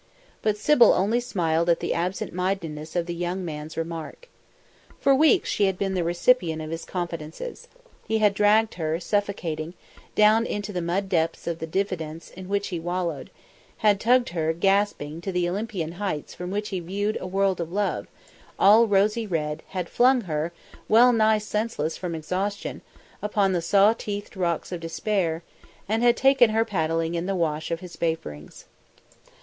But Sybil only smiled at the absent mindedness of the young man's remark. For weeks she had been the recipient of his confidences. He had dragged her, suffocating, down into the mud depths of the diffidence in which he wallowed; had tugged her, gasping, to the Olympian heights from which he viewed a world of love, all rosy red; had flung her, well nigh senseless from exhaustion, upon the saw teethed rocks of despair; and had taken her paddling in the wash of his vapourings.